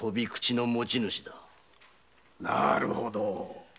なるほど。